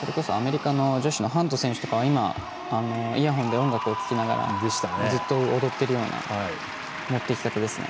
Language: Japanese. それこそアメリカの女子のハント選手なんかは今イヤホンで音楽を聴きながらずっと踊っているような持っていき方ですね。